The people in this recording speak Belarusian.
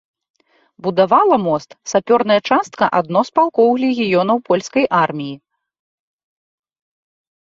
Будавала мост сапёрная частка адно з палкоў легіёнаў польскай арміі.